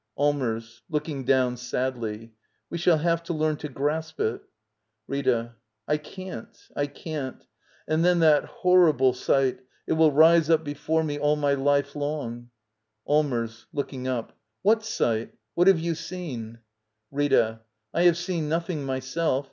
Allmers. [Looking down sadly.] We shall have to learn to grasp it. Rita. I can't. I can't And then that hor Digitized by VjOOQIC LITTLE EYOLF ^ Act ii. rible sight — it will rise up before me all my life long. Allmers. [Looking up.] What sight? What have you seen? Rita. I have seen nothing myself.